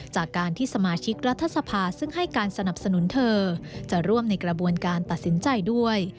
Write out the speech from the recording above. จากการที่สมาชิกรัฐสภาซึ่งให้การสนับสนุนเธอจะร่วมในกระบวนการตัดสินใจด้วย